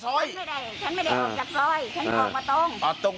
ไม่ได้ฉันไม่ได้ออกจากซอยฉันออกมาตรง